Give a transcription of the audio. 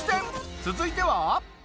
続いては。